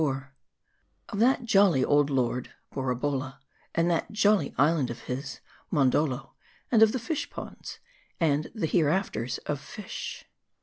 OP THAT JOLLY OLD LORD, BORABOLLA ) AND THAT JOLLY ISLAND OF HIS, MONDOLDO J AND OF THE FISH PONDS, AND THE HEREAFTERS OF FISH.